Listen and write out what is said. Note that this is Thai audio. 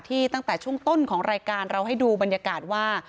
ตั้งแต่ช่วงต้นของรายการเราให้ดูบรรยากาศว่า